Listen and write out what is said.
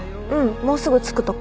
もうすぐ着くとこ。